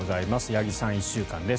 八木さん、１週間です。